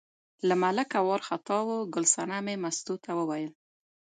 له ملکه وار خطا و، ګل صنمې مستو ته وویل.